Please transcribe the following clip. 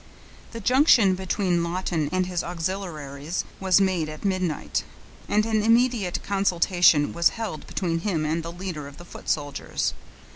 The junction between Lawton and his auxiliaries was made at midnight, and an immediate consultation was held between him and the leader of the foot soldiers.